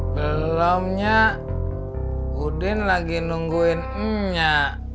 belomnya udin lagi nungguin minyak